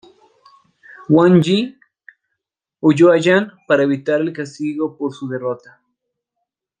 Huan Yi huyó a Yan para evitar el castigo por su derrota.